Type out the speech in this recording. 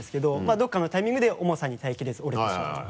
どこかのタイミングで重さに耐えきれず折れてしまったり。